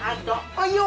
はいよ！